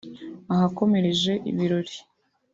ahakomereje ibirori